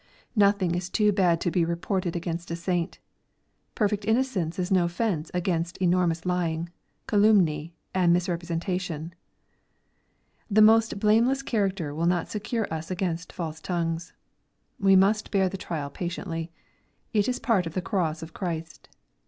Nothing is too bad to be reported against a saint. Perfect innocence is njD fence against enormous lying, calumny, and mis representation. The most blameless character will not secure us against false tongues. We must bear the trial patiently. It is part of the cross of Christ.